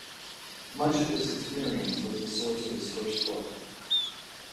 Much of this experience was the source of his first book.